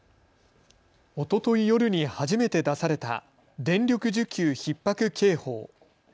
おととい夜に初めて出された電力需給ひっ迫警報。